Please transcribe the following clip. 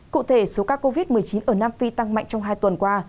cụ thể số ca covid một mươi chín ở nam phi tăng mạnh trong hai tuần qua